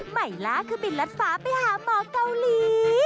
ใหม่ล่าคือบินรัดฟ้าไปหาหมอเกาหลี